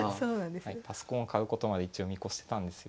パソコンを買うことまで一応見越してたんですよ。